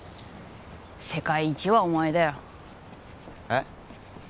世界一はお前だよえっ？